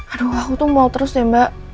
aduh aku tuh mau terus ya mbak